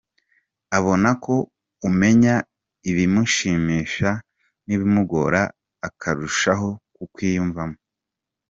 Abona ko umenya ibimushimisha n’ibimugora akarushaho kukwiyumvamo.